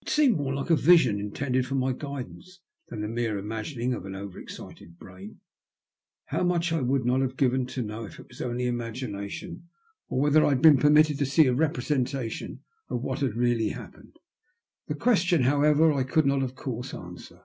It seemed more like a vision intended for my guidance than the mere imagining of an over excited brain. How much would I not have given to know if it was only imagination, or whether I had been permitted to see a representation of what had really happened? This question, jhowever, I could not of course answer.